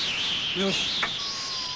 よし。